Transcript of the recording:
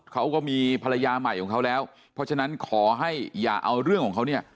เขาก็มีภรรยาใหม่ของเขาแล้วเพราะฉะนั้นขอให้อย่าเอาเรื่องของเขาเนี่ย